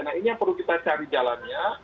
nah ini yang perlu kita cari jalannya